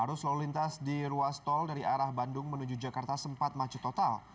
arus lalu lintas di ruas tol dari arah bandung menuju jakarta sempat macet total